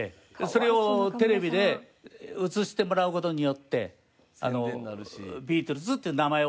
それをテレビで映してもらう事によってビートルズっていう名前を出すようにしたんですね。